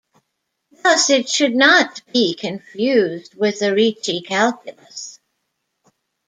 Thus it should not be confused with the Ricci calculus.